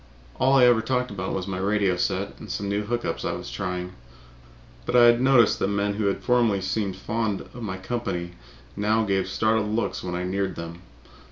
All I ever talked about was my radio set and some new hook ups I was trying, but I had noticed that men who formerly had seemed to be fond of my company now gave startled looks when I neared them.